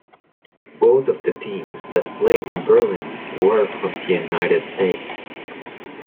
Both of the teams that played in Berlin were from the United States.